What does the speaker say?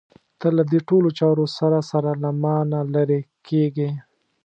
ته له دې ټولو چارو سره سره له مانه لرې کېږې.